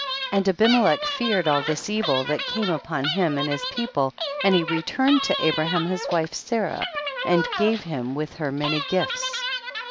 33. And Abimelech feared all this evil that came upon him and his peo ple, and he returned to Abraham his wife Sarah, and gave him with her many gifts.